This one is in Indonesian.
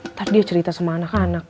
ntar dia cerita sama anak anak